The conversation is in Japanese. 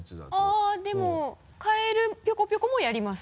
あでもかえるぴょこぴょこもやります。